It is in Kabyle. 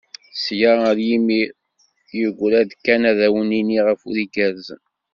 Sya ar yimir, yegra-d kan ad awen-d-nini afud igerrzen.